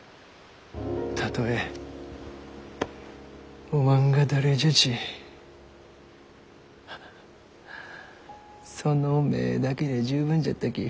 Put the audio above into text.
たとえおまんが誰じゃちその目だけで十分じゃったき。